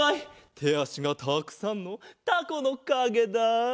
てあしがたくさんのタコのかげだ。